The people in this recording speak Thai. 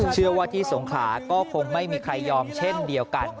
เชื่อว่าที่สงขลาก็คงไม่มีใครยอมเช่นเดียวกัน